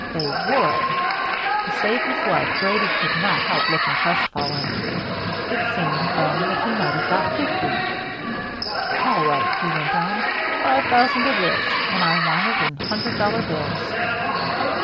"They would!" To save his life Grady could not help looking crestfallen. It seemed then that he might have got fifty. "All right," he went on, "five thousand it is; and I want it in hundred dollar bills."